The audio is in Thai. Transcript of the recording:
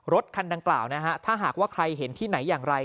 รถคันดังกล่าวนะฮะถ้าหากว่าใครเห็นที่ไหนอย่างไร